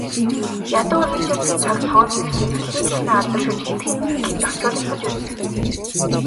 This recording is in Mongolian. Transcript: Ядуу Ричардын цаг тооны бичиг дэлхий дахинаа алдаршиж, хэд хэдэн хэлэнд орчуулагдаж байсан юм.